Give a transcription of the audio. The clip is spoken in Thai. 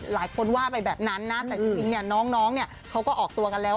หลายคนว่าไปแบบนั้นนะแต่จริงเนี่ยน้องเนี่ยเขาก็ออกตัวกันแล้ว